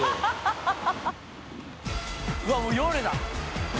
うわっもう夜だ！